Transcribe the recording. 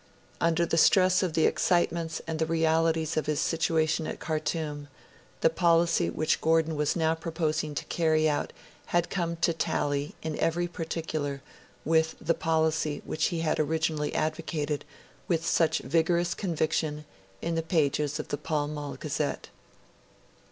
Under the stress of the excitements and the realities of his situation at Khartoum, the policy which Gordon was now proposing to carry out had come to tally, in every particular, with the policy which he had originally advocated with such vigorous conviction in the pages of the Pall Mall Gazette.